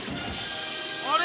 あれ？